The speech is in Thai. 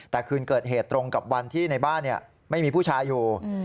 แต่คืนเกิดเหตุตรงกับวันที่ในบ้านไม่มีผู้ชายอยู่